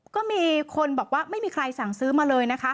ก็มีคนบอกว่าไม่มีใครสั่งซื้อมาเลยนะคะ